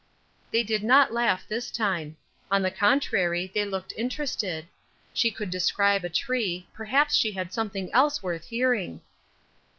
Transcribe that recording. They did not laugh this time; on the contrary, they looked interested. She could describe a tree, perhaps she had something else worth hearing.